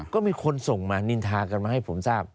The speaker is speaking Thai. ก็มีคนส่งมานินทากันมาให้ผมทราบ